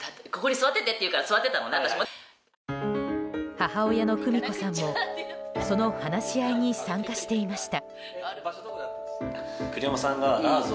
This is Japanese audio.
母親の久美子さんもその話し合いに参加していました。